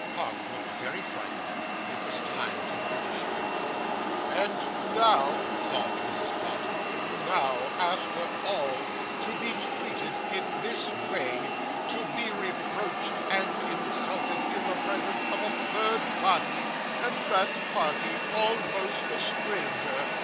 Pott looked very frightened. It was time to finish him. 'And now,' sobbed Mrs. Pott, 'now, after all, to be treated in this way; to be reproached and insulted in the presence of a third party, and that party almost a stranger.